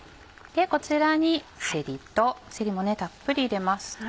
こちらにせりとせりもたっぷり入れます。